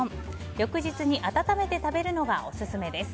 翌日に温めて食べるのがオススメです。